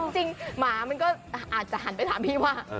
หมามันก็อาจจะหันไปถามพี่ว่า